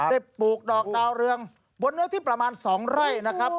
ปลูกดอกดาวเรืองบนเนื้อที่ประมาณ๒ไร่นะครับ